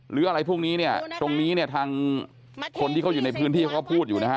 หรืออะไรพวกนี้เนี่ยตรงนี้เนี่ยทางคนที่เขาอยู่ในพื้นที่เขาก็พูดอยู่นะฮะ